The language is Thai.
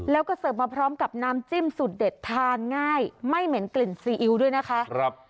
แล้วก็เสิร์ฟมาพร้อมกับน้ำจิ้มสูตรเด็ดทานง่ายไม่เหม็นกลิ่นซีอิ๊วด้วยนะคะ